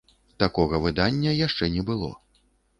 Такога выдання яшчэ не было.